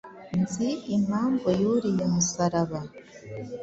nzi impamvu y’uriya musaraba,